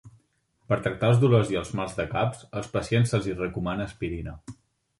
Per tractar els dolors i els mals de caps, als pacients se’ls hi recomana aspirina.